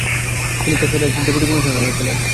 তিনি পেশওয়ারের deputy commissioner হয়েছিলেন।